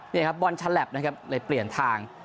นี่ครับบอลฉลับนะครับเลยเปลี่ยนทาง